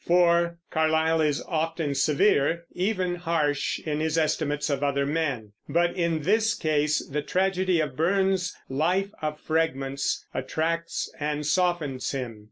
(4) Carlyle is often severe, even harsh, in his estimates of other men, but in this case the tragedy of Burns's "life of fragments" attracts and softens him.